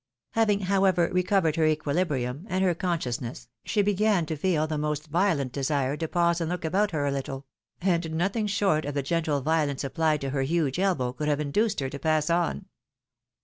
Having, however, recovered her equilibrium and her conscious ness, she began to make the most violent desire to pause and look about her a httle ; and nothing short of the gentle violence applied to her huge elbow could have induced her to pass on.